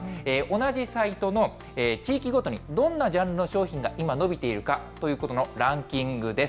同じサイトの地域ごとにどんなジャンルの商品が今伸びているかということのランキングです。